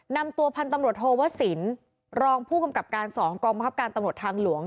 นำตัวพันธุ์ตำรวจโทวสินรองผู้กำกับการ๒กองบังคับการตำรวจทางหลวง